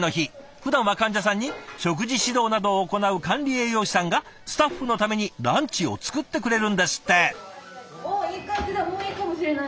ふだんは患者さんに食事指導などを行う管理栄養士さんがスタッフのためにランチを作ってくれるんですって。